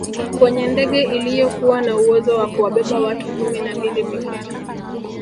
kwenye ndege iliyokuwa na uwezo wa kuwabeba watu kumi na mbili pekee